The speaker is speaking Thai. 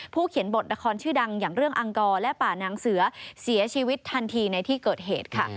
เขียนบทละครชื่อดังอย่างเรื่องอังกรและป่านางเสือเสียชีวิตทันทีในที่เกิดเหตุค่ะ